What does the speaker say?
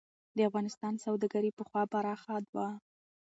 د افغانستان سوداګري پخوا پراخه وه.